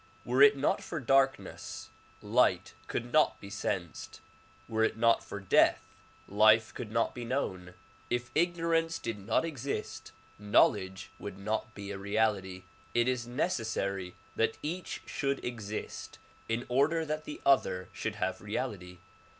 Were it not for darkness light could not be sensed. Were it not for death life could not be known. If ignorance did not exist knowledge would not be a reality. It is necessary that each should exist in order that the other should have reality.